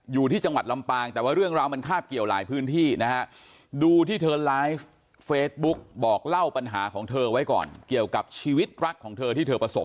อยู่ที่จังหวัดลำปางแต่ว่าเรื่องราวมันคาบเกี่ยวหลายพื้นที่นะฮะดูที่เธอไลฟ์เฟซบุ๊กบอกเล่าปัญหาของเธอไว้ก่อนเกี่ยวกับชีวิตรักของเธอที่เธอประสบ